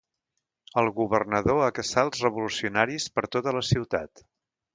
El governador acaçà els revolucionaris per tota la ciutat.